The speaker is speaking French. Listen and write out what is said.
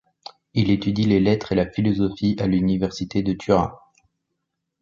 Il étudie les lettres et la philosophie à l'Université de Turin.